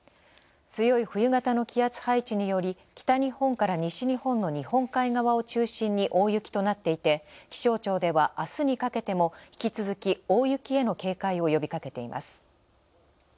強い冬型の気圧配置により北日本から西日本の日本海側を中心に大雪となっていて気象庁では、明日にかけても引き続き大雪への警戒を呼びかけています。